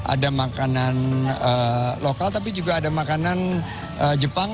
ada makanan lokal tapi juga ada makanan jepang